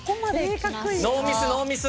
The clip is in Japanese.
ノーミスノーミス。